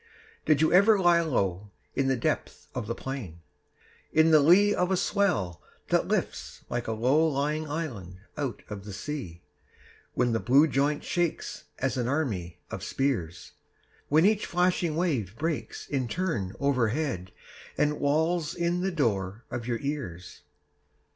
Did you ever lie low In the depth of the plain, & In the lee of a swell that lifts Like a low lying island out of the sea, When the blue joint shakes As an army of spears; When each flashing wave breaks In turn overhead And wails in the door of your ears